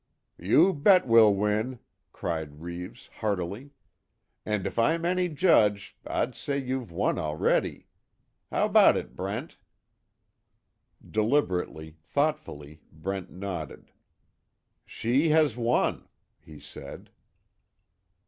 "You bet you'll win!" cried Reeves, heartily, "And if I'm any judge, I'd say you've won already. How about it Brent?" Deliberately thoughtfully, Brent nodded: "She has won," he said.